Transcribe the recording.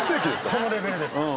そのレベルです。